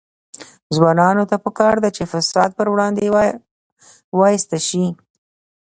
ځوانانو ته پکار ده چې، فساد پر وړاندې وایسته شي.